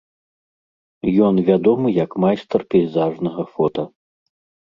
Ён вядомы як майстар пейзажнага фота.